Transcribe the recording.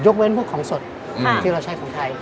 เว้นพวกของสดที่เราใช้ของไทย